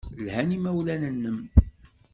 Lhan yimawlan-nnem.